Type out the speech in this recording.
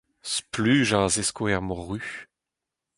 Splujañ a zesko er Mor Ruz.